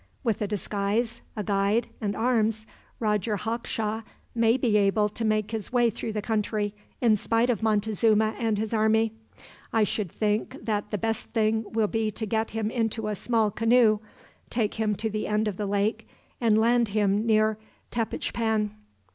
With a disguise, a guide, and arms, Roger Hawkshaw may be able to make his way through the country, in spite of Montezuma and his army. I should think that the best thing will be to get him into a small canoe, take him to the end of the lake, and land him near Tepechpan.